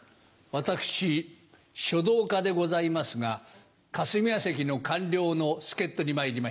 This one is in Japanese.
私書道家でございますが霞が関の官僚の助っ人にまいりました。